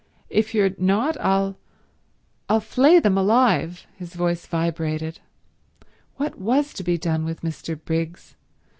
If you're not I'll—I'll flay them alive." His voice vibrated. What was to be done with Mr. Briggs?